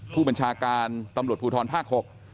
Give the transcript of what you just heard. ผู้บัญชาการตำรวจภูทรภาค๖